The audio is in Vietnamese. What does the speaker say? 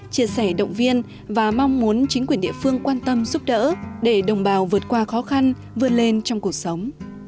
chia sẻ động viên và mong muốn chính quyền địa phương quan tâm giúp đỡ để đồng bào vượt qua khó khăn vươn lên trong cuộc sống